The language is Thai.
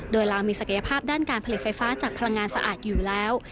โดยลาวมีศักยภาพด้านการผลิตไฟฟ้าจากพลังงานสะอาดอยู่แล้ว